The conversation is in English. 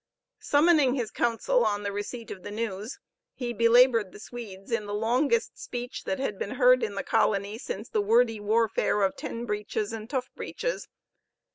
Summoning his council on the receipt of this news, he belabored the Swedes in the longest speech that had been heard in the colony since the wordy warfare of Ten Breeches and Tough Breeches.